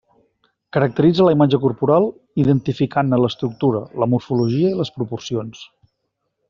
Caracteritza la imatge corporal identificant-ne l'estructura, la morfologia i les proporcions.